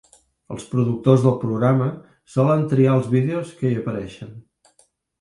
Els productors del programa solen triar els vídeos que hi apareixen.